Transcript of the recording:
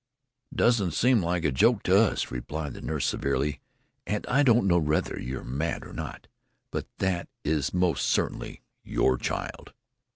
"It doesn't seem like a joke to us," replied the nurse severely. "And I don't know whether you're mad or not but that is most certainly your child."